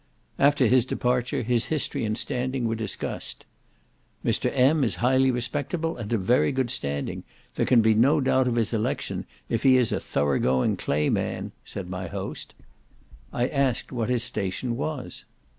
After his departure, his history and standing were discussed. "Mr. M. is highly respectable, and of very good standing; there can be no doubt of his election if he is a thorough going Clay man," said my host. I asked what his station was.